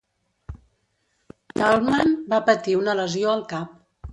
Tallman va patir una lesió al cap.